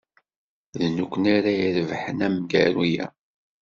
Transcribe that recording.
D nekkni ara irebḥen amgaru-a.